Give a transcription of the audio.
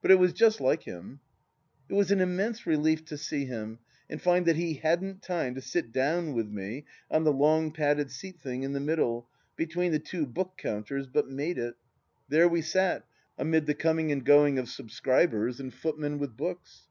But it was just like him. ... It was an immense relief to see him and find that he hadn't time to sit down with me on the long padded seat thing in the middle, between the two book counters, but made it. There we sat, amid the coming and going of sub scribers and footmen with books.